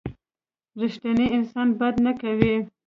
رښتینی انسان بد نه کوي.